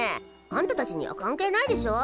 あんたたちには関係ないでしょ。